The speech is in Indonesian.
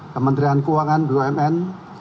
kementerian keuangan bumn